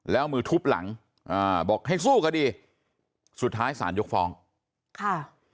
แล้วมือทุบหลังอ่าบอกให้สู้คดีสุดท้ายศาลยกฟ้องค่ะ